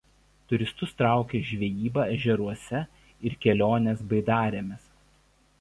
Turistus traukia žvejyba ežeruose ir kelionės baidarėmis.